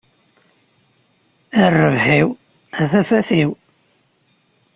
A rrbeḥ-iw, a tafat-iw!